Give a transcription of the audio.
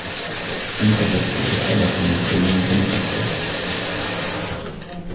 أنتَ تبدو بحالة جيداً جداً.